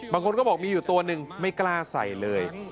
บางคนก็บอกมีอยู่ตัวหนึ่งไม่กล้าใส่เลย